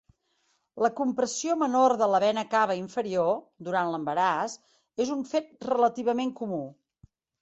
La compressió menor de la vena cava inferior durant l'embaràs és un fet relativament comú.